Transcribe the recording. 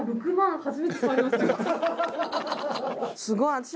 すごい。